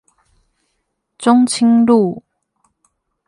中清路